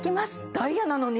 ダイヤなのに！？